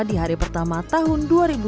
di hari pertama tahun dua ribu dua puluh